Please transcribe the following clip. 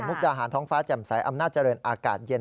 ดาหารท้องฟ้าแจ่มใสอำนาจเจริญอากาศเย็น